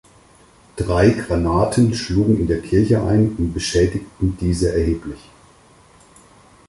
Drei Granaten schlugen in der Kirche ein und beschädigten diese erheblich.